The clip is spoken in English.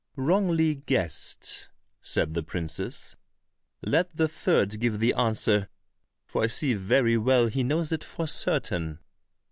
"Wrongly guessed," said the princess, "let the third give the answer, for I see very well he knows it for certain."